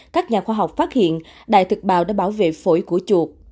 các nhà khoa học phát hiện đại thực bào đã bảo vệ phổi của chuột